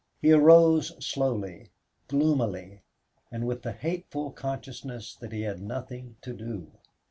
He arose slowly, gloomily, with the hateful consciousness that he had nothing to do.